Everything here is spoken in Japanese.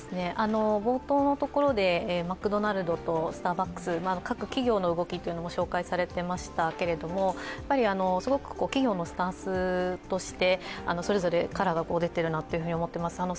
冒頭のところで、マクドナルドとスターバックス、各企業の動きが紹介されていましたけれども、企業のスタンスとしてそれぞれカラーが出ているなと思っています。